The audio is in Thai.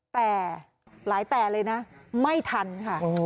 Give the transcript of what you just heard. แต่หลายแต่เลยนะไม่ทันค่ะ